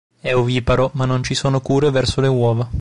È oviparo, ma non ci sono cure verso le uova.